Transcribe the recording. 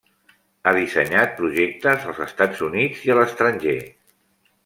Ha dissenyat projectes als Estats Units i a l'estranger.